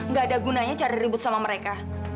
nggak ada gunanya cari ribut sama mereka